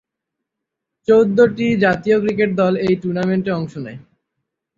চৌদ্দটি জাতীয় ক্রিকেট দল এই টুর্নামেন্টে অংশ নেয়।